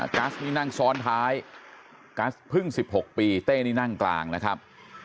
กัสนี่นั่งซ้อนท้ายกัสพึ่ง๑๖ปีเต้นี่นั่งกลางนะครับ